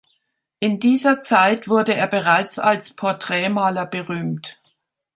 In dieser Zeit wurde er bereits als Porträtmaler berühmt.